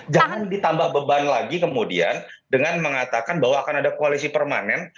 jangan ditambah beban lagi kemudian dengan mengatakan bahwa akan ada koalisi permanen